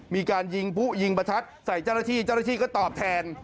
มีการยิงผู้ยิงประทัดใส่เจ้าหน้าที่เจ้าหน้าที่ก็ตอบแทน